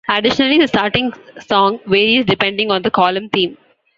Additionally, the starting song varies depending on the column theme.